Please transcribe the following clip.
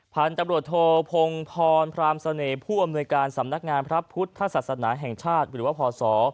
พันธุ์ตำรวจโทพงพรพรามเสน่ห์ผู้อำนวยการสำนักงานพระพุทธศาสนาแห่งชาติหรือว่าพศ